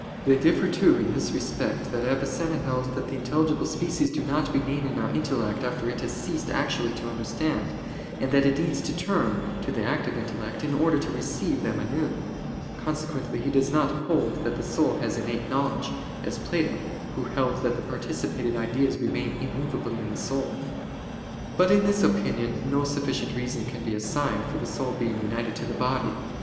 They differ, too, in this respect, that Avicenna held that the intelligible species do not remain in our intellect after it has ceased actually to understand, and that it needs to turn (to the active intellect) in order to receive them anew. Consequently he does not hold that the soul has innate knowledge, as Plato, who held that the participated ideas remain immovably in the soul. But in this opinion no sufficient reason can be assigned for the soul being united to the body.